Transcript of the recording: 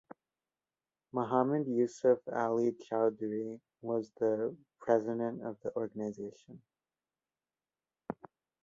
Mohammad Yusuf Ali Chowdhury was the president of the organization.